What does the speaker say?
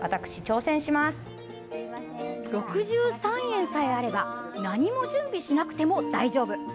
６３円さえあれば何も準備しなくても大丈夫。